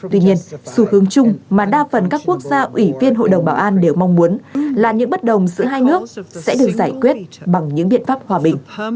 tuy nhiên xu hướng chung mà đa phần các quốc gia ủy viên hội đồng bảo an đều mong muốn là những bất đồng giữa hai nước sẽ được giải quyết bằng những biện pháp hòa bình